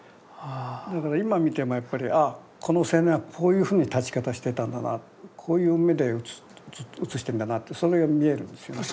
だから今見てもやっぱりああこの青年はこういうふうに立ち方してたんだなこういう目で写してんだなってそれが見えるんですよね。